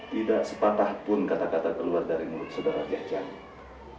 tidak sepatah pun kata kata keluar dari mulut saudara jajan